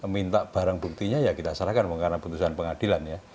minta barang buktinya ya kita serahkan karena putusan pengadilan ya